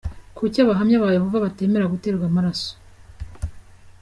Kuki Abahamya ba Yehova batemera guterwa amaraso?.